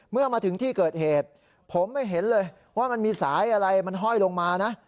เมื่อมาถึงที่เกิดเหตุผมไม่เห็นเลยว่ามันมีสายอะไรมันห้อยลงมานะ